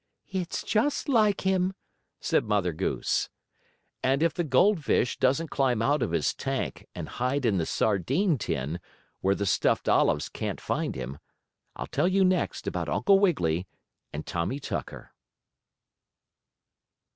"It's just like him!" said Mother Goose. And if the goldfish doesn't climb out of his tank and hide in the sardine tin, where the stuffed olives can't find him, I'll tell you next about Uncle Wiggily and Tommie Tucker.